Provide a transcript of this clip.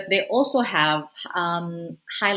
tapi mereka juga memiliki